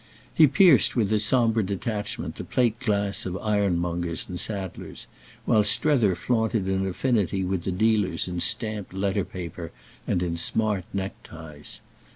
He pierced with his sombre detachment the plate glass of ironmongers and saddlers, while Strether flaunted an affinity with the dealers in stamped letter paper and in smart neckties.